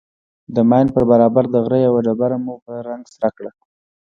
د ماين پر برابر د غره يوه ډبره مو په رنگ سره کړه.